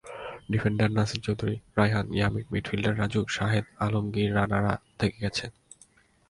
Defender Nasir Chowdhury, Raihan, Yamin, midfielder Raju, Shahed, Alamgir রানারা থেকে গেছেন।